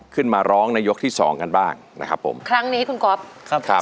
ขึ้นมาร้องในยกที่สองกันบ้างนะครับผมครั้งนี้คุณก๊อฟครับครับ